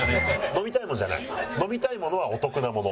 飲みたいものはお得なもの！